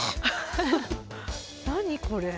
何これ？